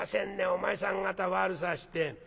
お前さん方悪さして。